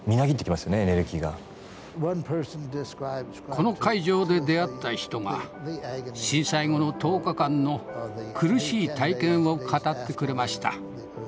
この会場で出会った人が震災後の１０日間の苦しい体験を語ってくれました。